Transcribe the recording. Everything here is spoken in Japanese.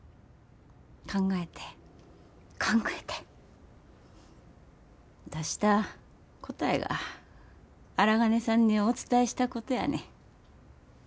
考えて考えて出した答えが荒金さんにお伝えしたことやねん。